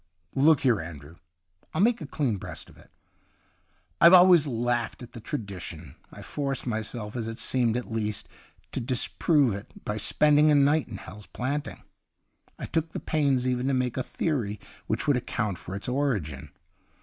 ' Look here, Andrew, I'll make a clean breast of it. I've always laughed at the tradition ; I forced myself, as it seemed at least, to disprove it by spending a night in Hal's Planting ; I took the pains even to make a theory which would 159 THE UNDYING THING account for its origin.